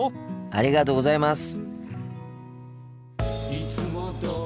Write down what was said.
ありがとうございます！